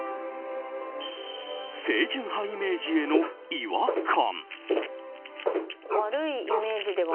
清純派イメージへの違和感。